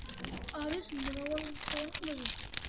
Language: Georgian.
არის მრავალრიცხოვანი ტბები.